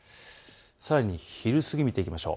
さらに昼過ぎを見ていきましょう。